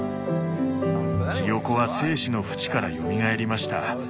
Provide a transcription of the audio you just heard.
ヒヨコは生死のふちからよみがえりました。